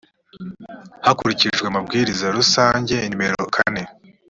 hakurikijwe amabwiriza rusange nimero kane